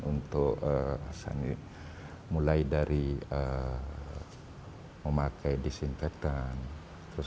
untuk mulai dari memakai disinfekta